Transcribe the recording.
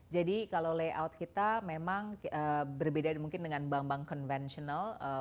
jadi kalau layout kita memang berbeda mungkin dengan bank bank konvensional